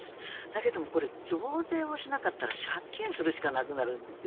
けれど、これ、増税しなかったら借金するしかなくなるんです。